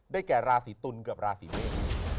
ได้แก่ราศรีตุลกับราศรีเมฆ